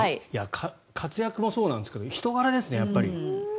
活躍もそうなんですけど人柄ですね、やっぱり。